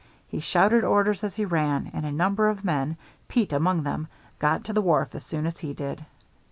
He shouted orders as he ran, and a number of men, Pete among them, got to the wharf as soon as he did.